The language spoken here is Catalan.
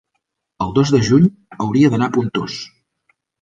el dos de juny hauria d'anar a Pontós.